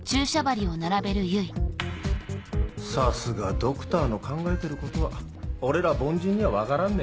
さすがドクターの考えてることは俺ら凡人には分からんね。